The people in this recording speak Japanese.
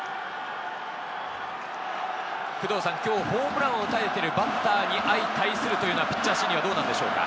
今日、ホームランを打たれているバッターに相対するというのはピッチャー心理はどうなんですか？